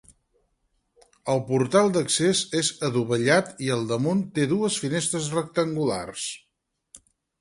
El portal d'accés és adovellat i al damunt te dues finestres rectangulars.